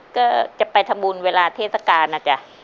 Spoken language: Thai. ก็จะไปทำบุญเวลาเทศกาลนะจ๊ะ